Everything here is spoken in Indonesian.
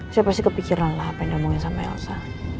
saya pasti kepikiran lah apa yang diomongin sama elsa